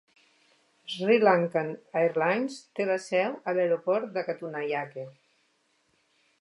SriLankan Airlines té la seu a l'aeroport de Katunayake.